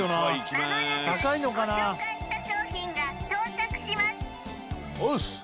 間もなくご紹介した商品が到着しますオッス！